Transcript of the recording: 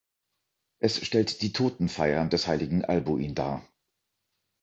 Es stellt die Totenfeier des heiligen Albuin dar.